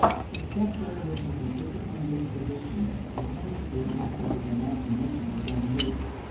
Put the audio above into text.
Except where there is a disciplined disposition, the tendency is for the imagination to run loose.